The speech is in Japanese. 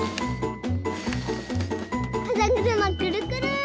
かざぐるまくるくる！